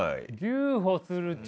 留保する力？